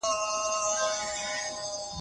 پښتو به په ټولو الکترونیکي وسایلو کې وي.